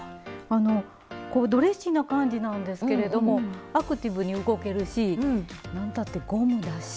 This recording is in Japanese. あのこうドレッシーな感じなんですけれどもアクティブに動けるしなんたってゴムだし。